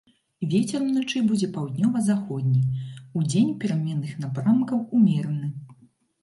Вецер уначы будзе паўднёва-заходні, удзень пераменных напрамкаў ўмераны.